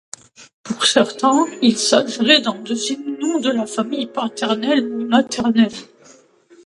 Pour certains, il s’agirait d’un deuxième nom de la famille paternelle ou maternelle.